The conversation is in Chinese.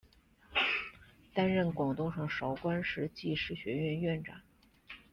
担任广东省韶关市技师学院院长。